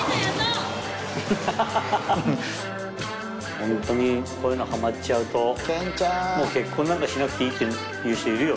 ホントにこういうのハマっちゃうともう結婚なんかしなくていいって言う人いるよ